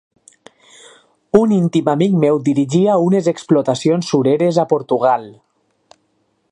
Un íntim amic meu dirigia unes explotacions sureres a Portugal.